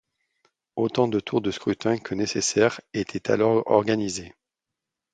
Autant de tours de scrutin que nécessaire étaient alors organisés.